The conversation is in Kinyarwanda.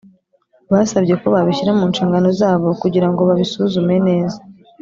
Basabye ko babishyira munshingano zabo kugira ngo babisuzume neza